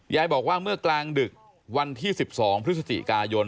ยายบอกว่าเมื่อกลางดึกวันที่๑๒พฤศจิกายน